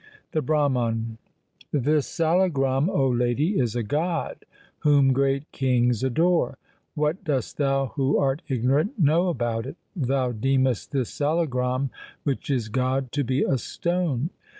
The Brahman This salagram, O lady, is a god whom great kings adore. What dost thou who art ignorant know about it ? Thou deemest this salagram which is god to be a stone.